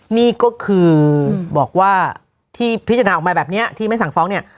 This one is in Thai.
นี่ก็คือบอกว่าที่พิจารณาออกมาแบบนี้ที่ไม่สั่งฟ้องเนี่ย